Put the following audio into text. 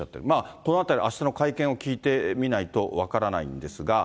このあたり、あしたの会見を聞いてみないと分からないんですが。